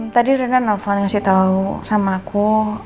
tadi rina nelfon ngasih tahu sama aku